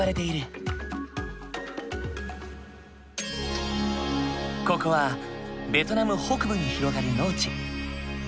ここはベトナム北部に広がる農地。